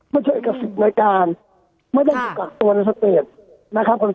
ไม่ใช่เอกสิทธิ์ในการไม่ได้ถูกกักตัวในสเตจนะครับ